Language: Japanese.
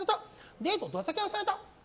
デートをドタキャンされた。